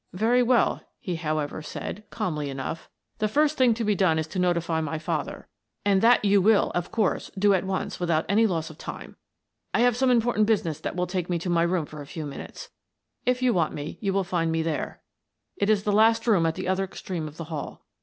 "Very well," he however said, calmly enough. " The first thing to be done is to notify my father, 44 Miss Frances Baird, Detective and that you will, of course, do at once without any loss of time. I have some important business that will take me to my room for a few minutes. If you want me, you will find me there. It is the last room at the other extreme of the hall.